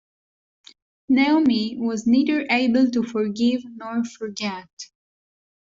Naomi was neither able to forgive nor forget.